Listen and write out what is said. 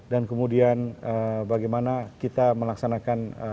dan kemudian bagaimana kita melaksanakan